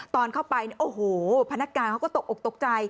ตอนเข้าไปเนี่ยโอ้โหพนักงานเขาก็ตกอกตกใจ